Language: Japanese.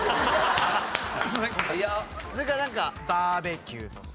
それかなんかバーベキューとか。